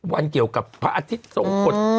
วันเกี่ยวกับพระอาทิตย์ทรงกฎ